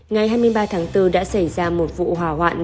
ngày hai mươi ba tháng bốn đã xảy ra một vụ hỏa hoạn